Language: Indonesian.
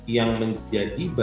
yang menjadi berat